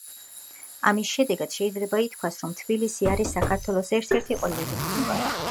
ამის შედეგად შეიძლება ითქვას, რომ თბილისა არის საქართველოს ერთ-ერთი ყველაზე უფრო უკეთ შესწავლილი მყინვარი.